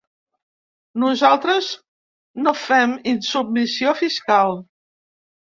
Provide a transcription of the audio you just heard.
Nosaltres no fem insubmissió fiscal.